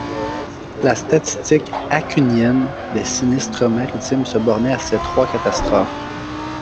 La statistique acunhienne des sinistres maritimes se bornait à ces trois catastrophes.